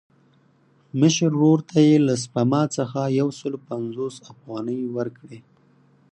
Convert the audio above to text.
مشر ورور ته یې له سپما څخه یو سل پنځوس افغانۍ ورکړې.